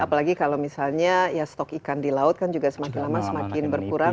apalagi kalau misalnya ya stok ikan di laut kan juga semakin lama semakin berkurang